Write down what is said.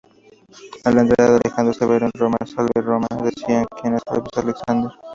A la entrada de Alejandro Severo en Roma, "Salve Roma", decían, "quia salvus Alexander".